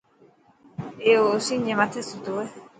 اي او اوسينجي مٿي ستو هي.